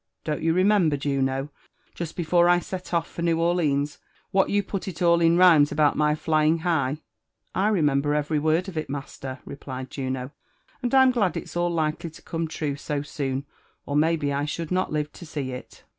Don't you remen^ ber, Juno, jest before I set off for New Orlines, what yoq put it all i» Aymes about my flying high r " I rerarember every word of it, maater," replied Jono; aii4 Fni glad it's all likely to come true so soo», or maybe I should doI Ihe to 800 ffC.